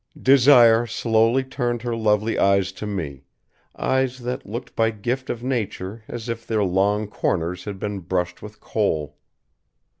Desire slowly turned her lovely eyes to me, eyes that looked by gift of nature as if their long corners had been brushed with kohl.